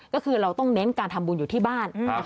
ก็คือเราต้องเน้นการทำบุญอยู่ที่บ้าน